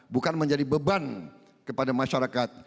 bukan menjadi beban kepada masyarakat